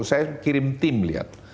saya kirim tim lihat